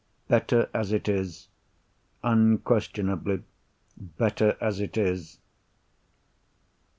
Better as it is. Unquestionably, better as it is.